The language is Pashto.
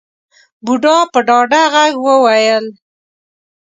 بوډا په ډاډه غږ وويل.